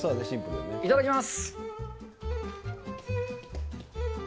いただきます。